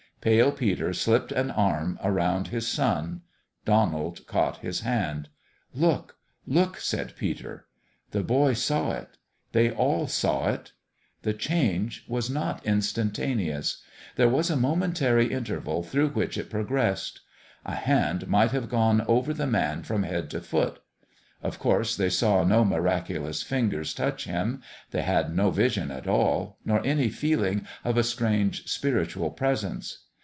Pale Peter slipped an arm around his son. Donald caught his hand. " Look, look !" said Peter. The boy saw it. They all saw it. The change was not instantaneous. There was a momentary interval through which it progressed. A MIRACLE at PALE PETER'S 311 A hand might have gone over the man from head to foot. Of course they saw no miraculous fingers touch him : they had no vision at all nor any feeling of a strange spiritual Presence.